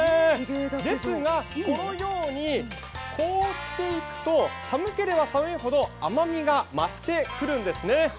ですが、このように凍っていくと、寒ければ寒いほど甘みが増してくるんですね。